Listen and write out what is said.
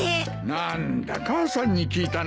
何だ母さんに聞いたのか？